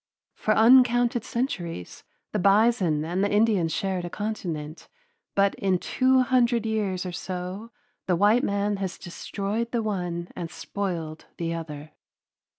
For uncounted centuries the bison and the Indian shared a continent, but in two hundred years or so the white man has destroyed the one and spoiled the other.